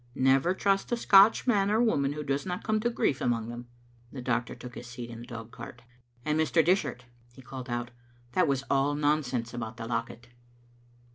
Never trust a Scotch man or woman who does not come to grief among them." The doctor took his seat in the dog cart. "And, Mr. Dishart," he called out, "that was all nonsense about the locket."